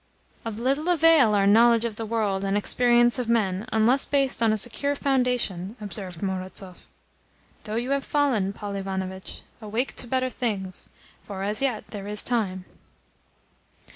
"Of little avail are knowledge of the world and experience of men unless based upon a secure foundation," observed Murazov. "Though you have fallen, Paul Ivanovitch, awake to better things, for as yet there is time."